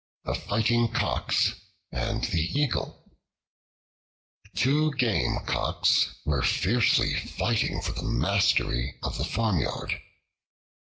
The Fighting Cocks and the Eagle TWO GAME COCKS were fiercely fighting for the mastery of the farmyard.